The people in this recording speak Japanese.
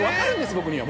僕には。